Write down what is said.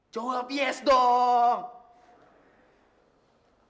jawab yes dong